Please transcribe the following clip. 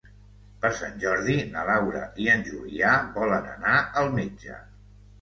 Per Sant Jordi na Laura i en Julià volen anar al metge.